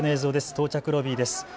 到着ロビーです。